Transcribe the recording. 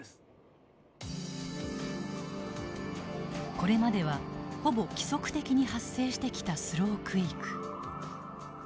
これまではほぼ規則的に発生してきたスロークエイク。